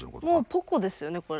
もう「ポコ。」ですよね。